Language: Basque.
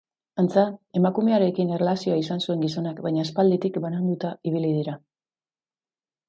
Antza, emakumearekin erlazioa izan zuen gizonak, baina aspalditik bananduta ibili dira.